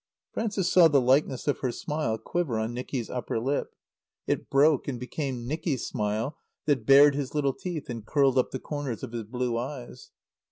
Frances saw the likeness of her smile quiver on Nicky's upper lip. It broke and became Nicky's smile that bared his little teeth and curled up the corners of his blue eyes.